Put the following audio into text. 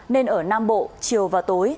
nên ở nam bộ chiều và tối